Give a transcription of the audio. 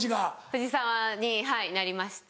藤沢にはいなりまして。